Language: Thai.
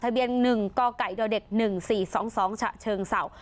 ทะเบียน๑กกเดียวเด็ก๑๔๒๒ฉะเชิงเศร้า